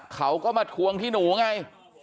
เขาก็มาทวงที่หนูไง